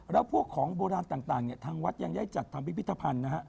แล้วพวกของโบราณต่างทางวัดยังย้ายจัดทำพิพิธภัณฑ์